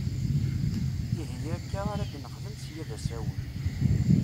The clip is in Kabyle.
Ihi akka ar ad nexdem sya d asawen!